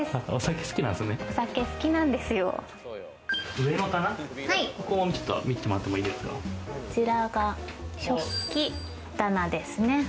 上の棚見せてもらってもいいこちらが食器棚ですね。